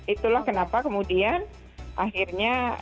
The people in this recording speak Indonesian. itulah kenapa kemudian akhirnya